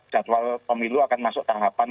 jadwal pemilu akan masuk tahapan